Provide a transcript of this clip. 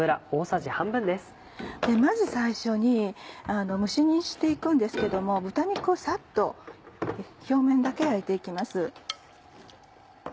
まず最初に蒸し煮にしていくんですけども豚肉をサッと表面だけ焼いていきます。